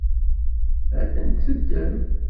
Ad ten-teddem?